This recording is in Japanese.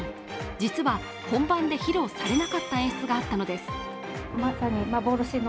実は本番で披露されなかった演出があったのです。